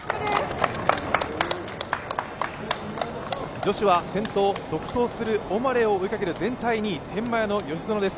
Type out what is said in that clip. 女子は先頭、独走するオマレを追いかける全体２位天満屋の吉薗です。